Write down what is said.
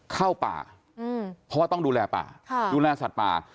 เข้าป่าเพราะว่าต้องดูแลป่าดูแลสัตว์ป่า